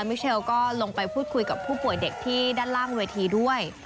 มิเชลก็ลงไปพูดคุยกับผู้ป่วยเด็กที่ด้านล่างเวทีด้วย